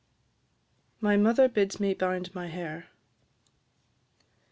MY MOTHER BIDS ME BIND MY HAIR.